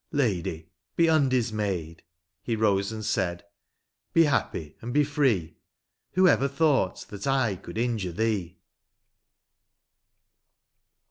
" Lady, be undismayed," He rose and said, "be happy and be free ; Who ever thought that I could injure thee